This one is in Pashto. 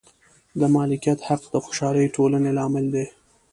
د مالکیت حق د خوشحالې ټولنې لامل دی.